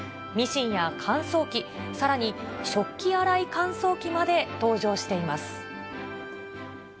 ミシンや乾燥機、さらに食器洗い乾燥機まで登場しています。